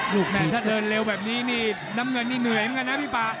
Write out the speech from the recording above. แม่งถ้าเดินเร็วแบบนี้นี่น้ำเงินนี่เหนื่อยเหมือนกันนะพี่ป่า